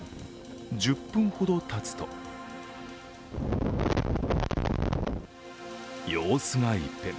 １０分ほどたつと様子が一変。